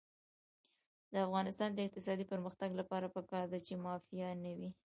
د افغانستان د اقتصادي پرمختګ لپاره پکار ده چې مافیا نه وي.